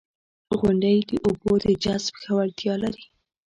• غونډۍ د اوبو د جذب ښه وړتیا لري.